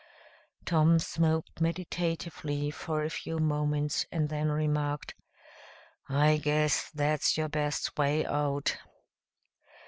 Tom smoked meditatively for a few moments, and then remarked, "I guess that's your best way out."